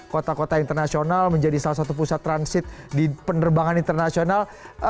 kota kota internasional menjadi salah satu pusat transit di penerbangan internasional